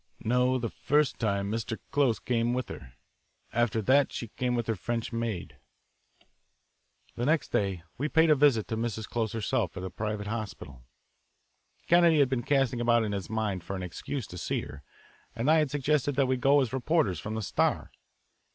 "No, the first time Mr. Close came with her. After that, she came with her French maid." The next day we paid a visit to Mrs. Close herself at the private hospital. Kennedy had been casting about in his mind for an excuse to see her, and I had suggested that we go as reporters from the Star.